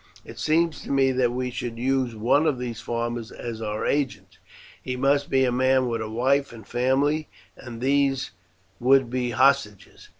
It seems to me that we should use one of these farmers as our agent. He must be a man with a wife and family, and these would be hostages.